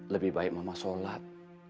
lebih baik mama sholat